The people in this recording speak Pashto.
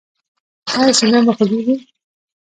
ایا سینه مو خوږیږي؟